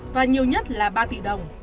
và nhiều nhất là ba tỷ đồng